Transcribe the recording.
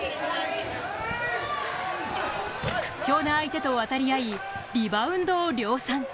屈強な相手と渡り合いリバウンドを量産。